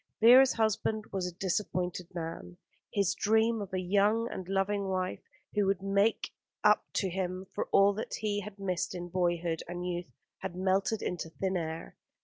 Vera's husband was a disappointed man. His dream of a young and loving wife who would make up to him for all that he had missed in boyhood and youth had melted into thin air.